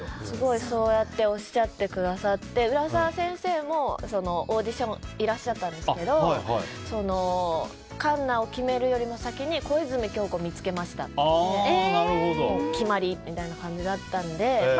すごい、そうやっておっしゃってくださって浦沢先生もオーディションいらっしゃったんですけどカンナを決めるよりも先に小泉響子を見つけましたって決まり！みたいな感じだったので。